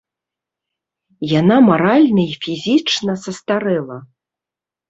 Яна маральна і фізічна састарэла.